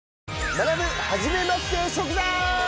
今日は初めまして食材。